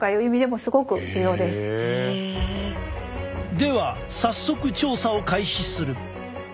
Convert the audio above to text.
では早速調査を開始する。